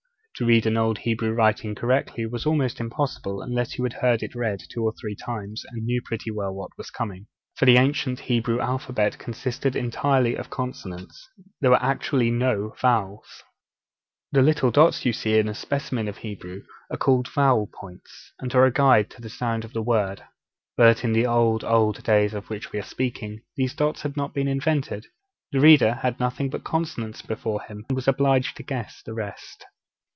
To read an old Hebrew writing correctly was almost impossible, unless you had heard it read two or three times, and knew pretty well what was coming. For the ancient Hebrew alphabet consisted entirely of consonants; there were actually no vowels! The little dots you see in the specimen of Hebrew given on this page are called 'vowel points,' and are a guide to the sound of the word; but in the old, old days of which we are speaking, these dots had not been invented. The reader had nothing but consonants before him, and was obliged to guess the rest.